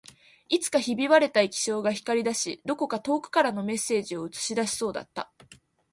いつかひび割れた液晶が光り出し、どこか遠くからのメッセージを映し出しそうだった